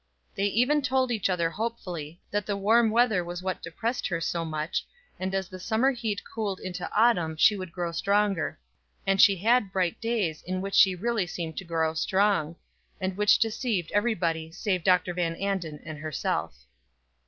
They even told each other hopefully that the warm weather was what depressed her so much, and as the summer heat cooled into autumn she would grow stronger. And she had bright days in which she really seemed to grow strong, and which deceived every body save Dr. Van Anden and herself.